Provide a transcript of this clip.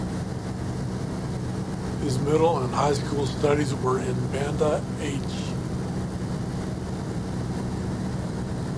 His middle and high school studies were in Banda Aceh.